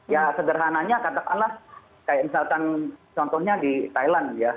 ya sederhananya katakanlah kayak misalkan contohnya di thailand ya